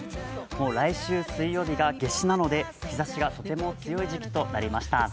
来週水曜日が夏至なので、日ざしがとても強い時期となりました。